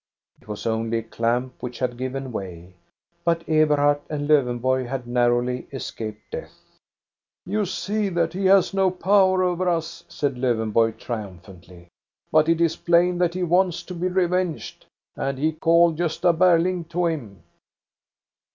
It was only a clamp which had given way; but Eberhard and Lowenborg had narrowly escaped death. "You see that he has no power over us," said ^■Lowenborg, triumphantly, "But it is plain that he ^Kwants to be revenged." ^F And he called Gosta Berling to him.